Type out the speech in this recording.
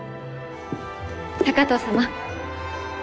高藤様。